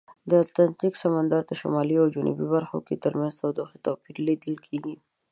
د اتلانتیک سمندر د شمالي او جنوبي برخو ترمنځ د تودوخې توپیر لیدل کیږي.